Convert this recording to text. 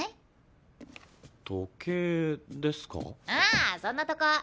あそんなとこ。